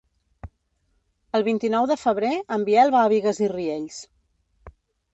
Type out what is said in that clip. El vint-i-nou de febrer en Biel va a Bigues i Riells.